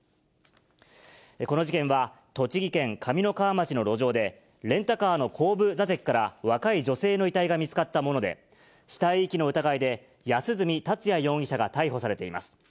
この事件は、栃木県上三川町の路上で、レンタカーの後部座席から若い女性の遺体が見つかったもので、死体遺棄の疑いで安栖達也容疑者が逮捕されています。